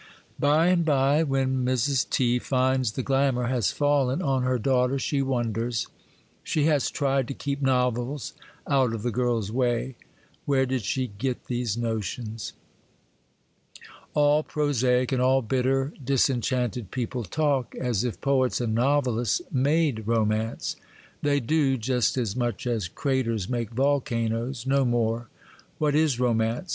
By and by, when Mrs. T. finds the glamour has fallen on her daughter, she wonders; she has 'tried to keep novels out of the girl's way,—where did she get these notions?' All prosaic, and all bitter, disenchanted people talk as if poets and novelists made romance. They do—just as much as craters make volcanoes,—no more. What is romance?